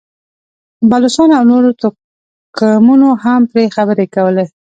بلوڅانو او نورو توکمونو هم پرې خبرې کولې.